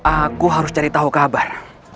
aku harus cari tahu kabar